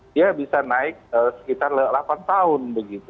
dia bisa naik sekitar delapan tahun begitu